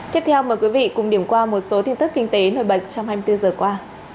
tiếp theo mời quý vị cùng điểm qua một số tin tức kinh tế nổi bật trong hai mươi bốn giờ qua